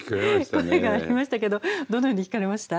声がありましたけどどのように聞かれました？